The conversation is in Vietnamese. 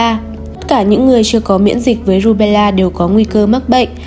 tất cả những người chưa có miễn dịch với rubella đều có nguy cơ mắc bệnh